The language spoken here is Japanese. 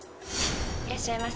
いらっしゃいませ。